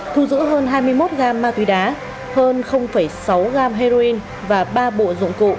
thu giữ hơn hai mươi một gam ma túy đá hơn sáu gam heroin và ba bộ dụng cụ